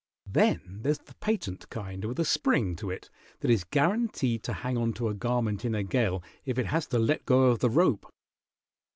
Then there's the patent kind with a spring to it that is guaranteed to hang onto a garment in a gale if it has to let go of the rope.